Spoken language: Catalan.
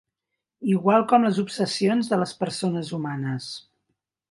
Igual com les obsessions de les persones humanes.